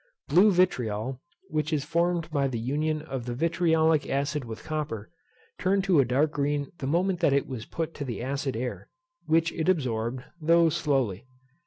Blue vitriol, which is formed by the union of the vitriolic acid with copper, turned to a dark green the moment that it was put to the acid air, which it absorbed, though slowly.